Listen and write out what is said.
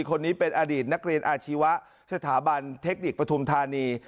คนนี้เป็นอดีตนักเรียนอาชีวะสถาบันเทคนิคปฐุมธานี